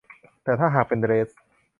แต่ถ้าหากเป็นเดรส